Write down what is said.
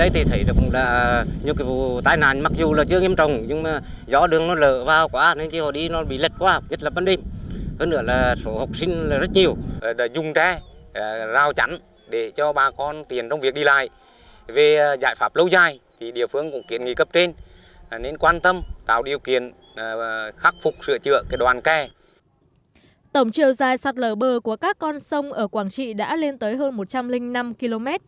tổng chiều dài sạt lở bờ của các con sông ở quảng trị đã lên tới hơn một trăm linh năm km